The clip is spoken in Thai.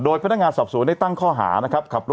โดยพัฒนางานสอบสูรได้ตั้งข้อหา